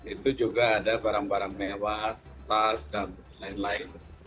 itu juga ada barang barang mewah tas dan lain lain